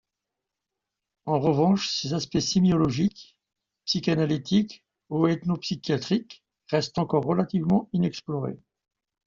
En revanche, ses aspects sémiologiques, psychanalytiques ou ethnopsychiatriques restent encore relativement inexplorés.